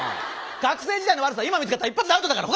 学生時代の悪さ今見つかったら一発でアウトだから！